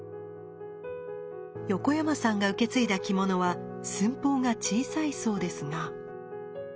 横山さんが受け継いだ着物は寸法が小さいそうですが。